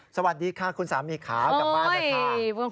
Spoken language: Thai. สวัสดีค่ะคุณสามีครับจากบ้านเจ้าค่ะ